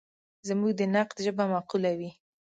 زموږ د نقد ژبه معقوله وي.